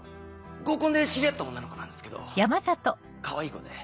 合コンで知り合った女の子なんですけどかわいい子で。